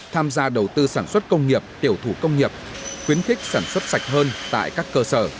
tham gia đầu tư sản xuất công nghiệp tiểu thủ công nghiệp khuyến khích sản xuất sạch hơn tại các cơ sở